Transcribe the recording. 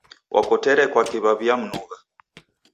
Wakotere kwaki w'aw'iamnugha.